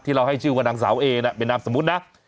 เราให้ชื่อว่านางสาวเอน่ะเป็นนามสมมุตินะ